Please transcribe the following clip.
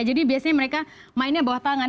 jadi biasanya mereka mainnya bawah tangan